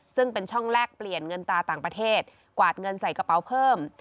ซึ่งเป็นช่องแลกเปลี่ยนเงินตาต่างประเทศกวาดเงินใส่กระเป๋าเพิ่ม